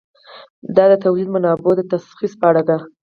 دا د تولیدي منابعو د تخصیص په اړه دی.